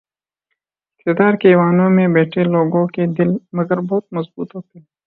اقتدار کے ایوانوں میں بیٹھے لوگوں کے دل، مگر بہت مضبوط ہوتے ہیں۔